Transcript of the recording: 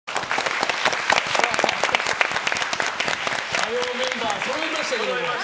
火曜メンバーそろいました。